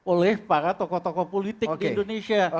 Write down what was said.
oleh para tokoh tokoh politik di indonesia